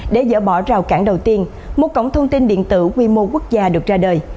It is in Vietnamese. để dỡ bỏ rào cản đầu tiên một cổng thông tin điện tử quy mô quốc gia được ra đời